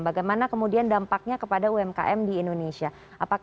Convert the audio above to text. bagaimana kemudian dampaknya kepada umkm di indonesia